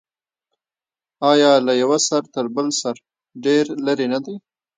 آیا له یوه سر تر بل سر ډیر لرې نه دی؟